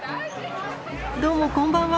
どうもこんばんは。